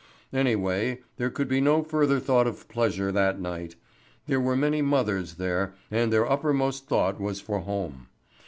Anyway, there could be no further thought of pleasure that night. There were many mothers there, and their uppermost thought was for home.